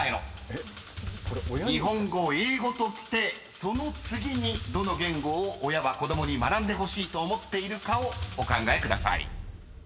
［日本語英語ときてその次にどの言語を親は子供に学んでほしいと思っているかをお考えください］